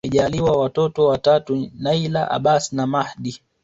Wamejaliwa watoto watatu Nyla Abbas na Mahdi